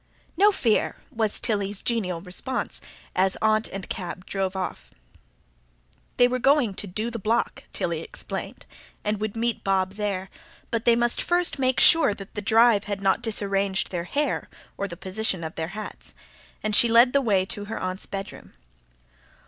"No fear!" was Tilly's genial response, as Aunt and cab drove off. They were going to "do the block", Tilly explained, and would meet Bob there; but they must first make sure that the drive had not disarranged their hair or the position of their hats; and she led the way to her aunt's bedroom.